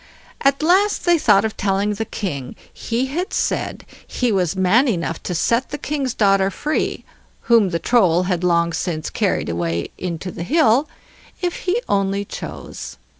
At last they thought of telling the king he had said he was man enough to set the king's daughter free—whom the Troll had long since carried away into the hill—if he only chose.